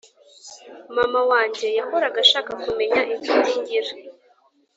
mama wanjye yahoraga ashaka kumenya inshuti ngira